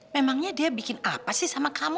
memangnya dia bikin apa sih sama kamu